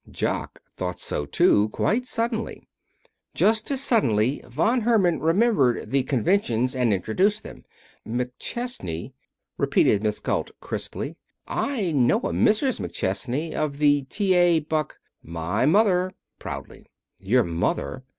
Jock thought so too, quite suddenly. Just as suddenly Von Herman remembered the conventions and introduced them. "McChesney?" repeated Miss Galt, crisply. "I know a Mrs. McChesney, of the T.A. Buck " "My mother," proudly. "Your mother!